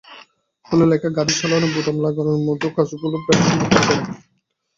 ফলে লেখা, গাড়ি চালানো, বোতাম লাগানোর মতো কাজগুলো প্রায় অসম্ভব হয়ে পড়ে।